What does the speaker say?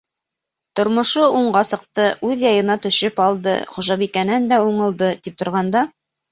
Тормошо уңға сыҡты, үҙ яйына төшөп алды, хужабикәнән дә уңылды тип торғанда...